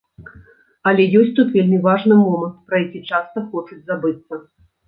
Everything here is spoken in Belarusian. Але ёсць тут вельмі важны момант, пра які часта хочуць забыцца.